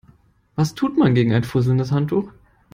Was tut man gegen ein fusselndes Handtuch?